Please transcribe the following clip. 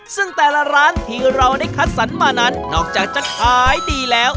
ซึ่งแต่ละร้านที่เราได้คัดสรรมานั้นนอกจากจะขายดีแล้ว